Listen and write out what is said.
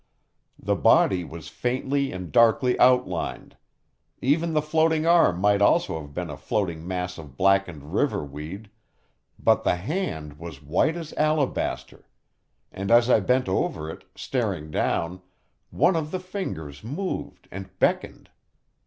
The body was faintly and darkly outlined; even the floating arm might also have been a floating mass of blackened river weed; but the hand was white as alabaster, and as I bent over it, staring down, one of the fingers moved and beckoned.